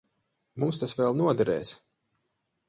Mums tas vēl noderēs.